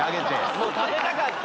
もう食べたかった！